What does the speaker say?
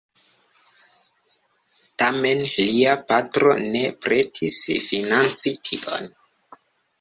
Tamen lia patro ne pretis financi tion.